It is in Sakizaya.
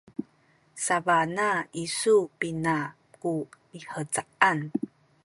sabana isu pina ku mihcaan?